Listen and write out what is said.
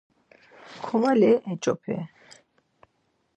Kuvali yeç̌opii?